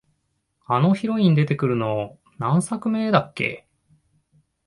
あのヒロイン出てくるの、何作目だっけ？